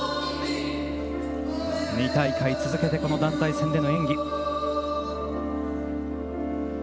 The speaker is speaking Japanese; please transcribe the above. ２大会続けて団体戦での演技。